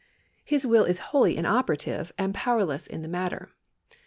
His will is wholly inoperative and power less in the matter.